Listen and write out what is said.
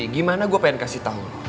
gimana gua pengen kasih tau lu